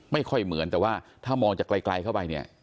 ไม่ค่อยเหมือนแต่ว่าถ้ามองจากไกลเข้าไปเนี่ย